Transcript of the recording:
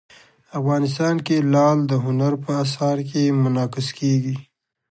افغانستان کې لعل د هنر په اثار کې منعکس کېږي.